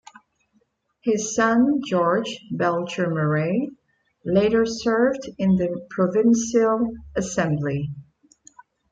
His son George Belcher Murray later served in the provincial assembly.